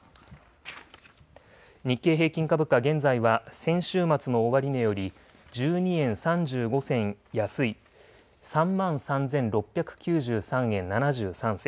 日経平均株価、現在は先週末の終値より１２円３５銭安い３万３６９３円７３銭。